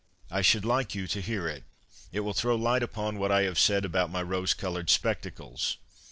I should like you to hear it. It will throw light upon what I have said about my rose coloured spectacles.'